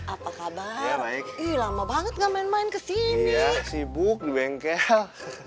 apa kabar lama banget nggak main main kesini sibuk di bengkel